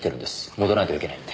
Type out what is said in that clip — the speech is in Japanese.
戻らないといけないんで。